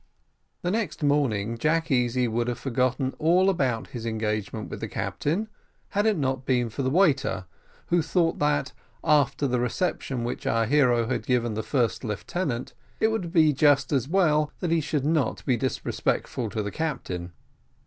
The next morning Jack Easy would have forgotten all about his engagement with the captain, had it not been for the waiter, who thought that, after the reception which our hero had given the first lieutenant, it would be just as well that he should not be disrespectful to the captain.